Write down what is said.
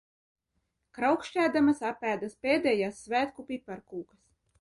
Kraukšķēdamas apēdas pēdējās svētku piparkūkas.